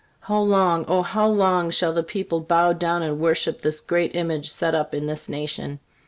How long, O, how long shall the people bow down and worship this great image set up in this nation?